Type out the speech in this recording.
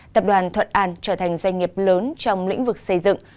tập đoàn thuận an trở thành doanh nghiệp lớn trong lĩnh vực xây dựng